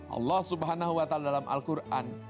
allah swt dalam al quran